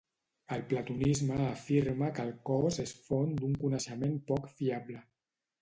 El platonisme afirma que el cos és font d'un coneixement poc fiable.